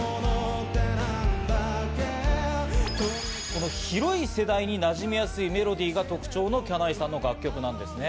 この広い世代になじみやすいメロディーが特徴のきゃないさんの楽曲なんですね。